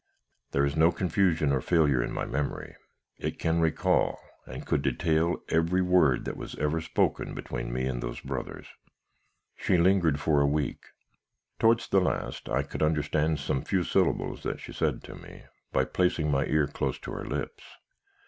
There is no confusion of failure in my memory; it can recall, and could detail, every word that was ever spoken between me and those brothers. "She lingered for a week. Towards the last, I could understand some few syllables that she said to me, by placing my ear close to her lips.